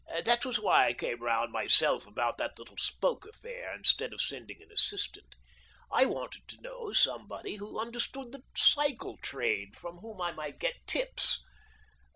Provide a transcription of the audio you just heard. That was why I came round myself about that little spoke affair, instead of sending an assistant. I wanted to know somebody who understood the cycle trade, from whom I might get tips.